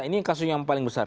ini kasus yang paling besar